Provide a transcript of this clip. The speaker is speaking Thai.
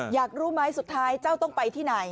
อยากรู้ไหมสุดท้ายเจ้าต้องไปที่ไหน